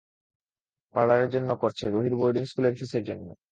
পার্লারের জন্য করছে, রুহির বোর্ডিং স্কুলের ফিসের জন্য।